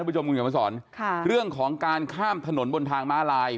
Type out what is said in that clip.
ผู้ชมคุณเขียนมาสอนค่ะเรื่องของการข้ามถนนบนทางม้าลาย